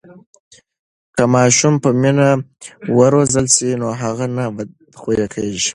که ماشوم په مینه و روزل سي نو هغه نه بدخویه کېږي.